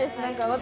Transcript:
私。